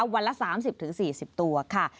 วันละ๓๐๔๐ตัวค่ะ